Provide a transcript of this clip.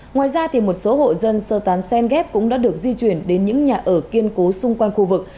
ngoài ra một số hộ dân sơ tán sen ghép cũng đã được di chuyển đến những nhà ở kiên cố xung quanh khu vực